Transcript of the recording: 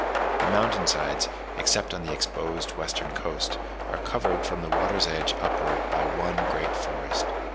The mountain sides, except on the exposed western coast, are covered from the water's edge upwards by one great forest.